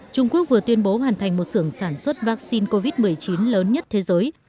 trung quốc vừa tuyên bố hoàn thành một sưởng sản xuất vaccine covid một mươi chín lớn nhất thế giới